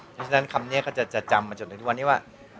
เพราะฉะนั้นคำนี้ก็จะจำมาจนถึงทุกวันนี้ว่า